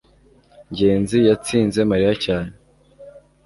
ngenzi yatsinze mariya cyane